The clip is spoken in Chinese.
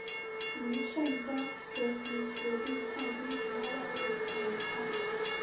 黎圣宗随即决定派兵十八万入侵澜沧。